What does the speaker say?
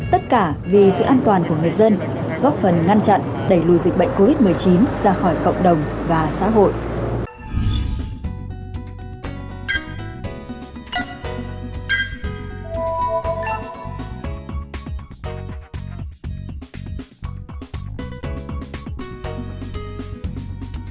tất cả vì sự an toàn của người dân góp phần ngăn chặn đẩy lùi dịch bệnh covid một mươi chín ra khỏi cộng đồng và xã hội